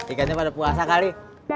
ikannya pada puasa kali